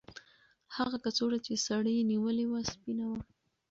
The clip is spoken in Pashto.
هغه کڅوړه چې سړي نیولې وه سپینه وه.